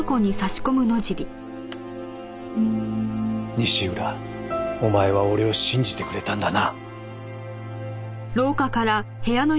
西浦お前は俺を信じてくれたんだな